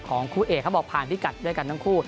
ของครูเอกครับออกผ่านพิกัดด้วยกันทั้งคู่